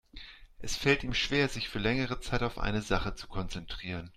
Es fällt ihm schwer, sich für längere Zeit auf eine Sache zu konzentrieren.